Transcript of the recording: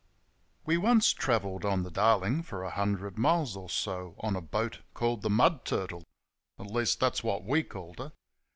We once travelled on the Darling for a hundred miles or so on a boat called the Mud Tut tie at least, that's what we called her.